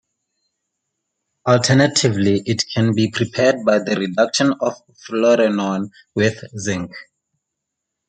Alternatively, it can be prepared by the reduction of fluorenone with zinc.